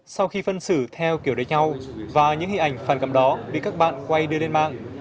sau khi phân xử theo kiểu đánh nhau và những hình ảnh phản cảm đó bị các bạn quay đưa lên mạng